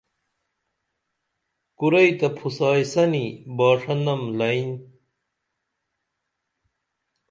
کُرئی تہ پُھسائی سنی باݜہ نم لئین